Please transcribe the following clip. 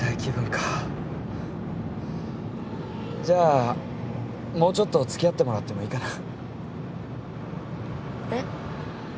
じゃあもうちょっと付き合ってもらってもいいかな？えっ？